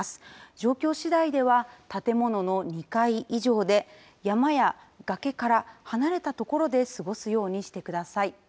状況次第では建物の２階以上で山やがけから離れたところで過ごすようにしてください。